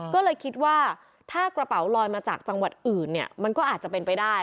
ก็เลยคิดว่าถ้ากระเป๋าลอยมาจากจังหวัดอื่นเนี่ยมันก็อาจจะเป็นไปได้